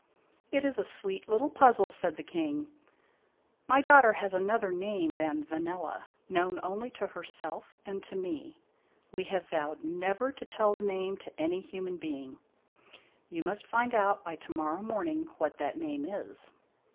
" It is a sweet little puzzle," said the King. " My daughter has another name than Vanella, known only to herself and to me. We have vowed never to tell the name to any human being. You must find out by to morrow morning what that name is."